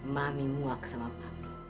mami muak sama papi